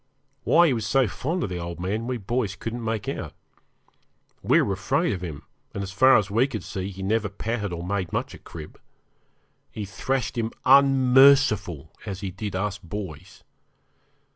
Why he was so fond of the old man we boys couldn't make out. We were afraid of him, and as far as we could see he never patted or made much of Crib. He thrashed him unmerciful as he did us boys.